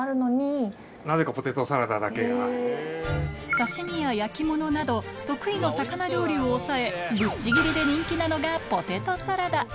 刺し身や焼き物など得意の魚料理を抑えぶっちぎりで人気なのがポテトサラダ